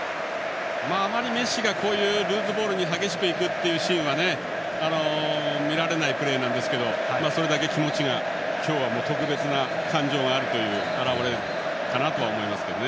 あまりメッシがルーズボールに激しく行くシーンは見られないプレーなんですけどそれだけ今日は特別な感情があるという表れかなと思います。